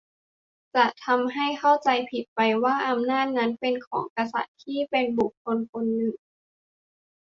จะทำให้เข้าใจผิดไปว่าอำนาจนั้นเป็นของกษัตริย์ที่เป็นบุคคลคนหนึ่ง